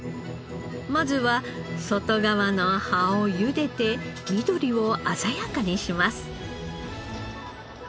まずは外側の葉を茹でて緑を鮮やかにします。